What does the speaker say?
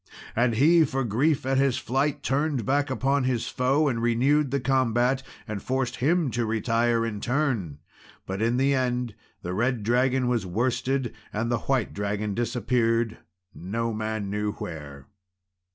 And he, for grief at his flight, turned back upon his foe, and renewed the combat, and forced him to retire in turn. But in the end the red dragon was worsted, and the white dragon disappeared no man knew where.